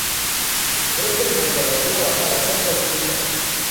Crec que ens hem de reunir a la sala set del comitè.